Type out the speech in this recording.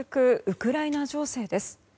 ウクライナ情勢です。